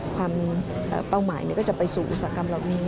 เป้าหมายก็จะไปสู่อุตสาหกรรมเหล่านี้